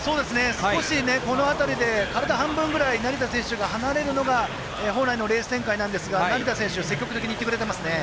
少し、この辺りで体半分ぐらい離れるのが本来のレース展開なんですが成田選手積極的にいってくれていますね。